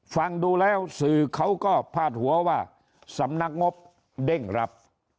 ฟังดูแล้วสื่อเขาก็พาดหัวว่าสำนักงบเด้งรับ